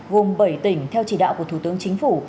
gồm bảy tỉnh theo chỉ đạo của thủ tướng chính phủ